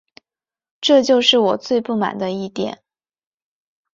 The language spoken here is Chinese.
这就是我最不满的一点